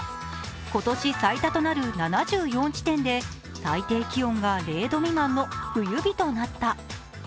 今年最多となる７４地点で最低気温が０度未満の冬日となった。